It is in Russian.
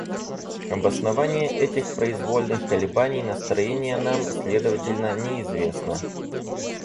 Обоснование этих произвольных колебаний настроения нам, следовательно, неизвестно.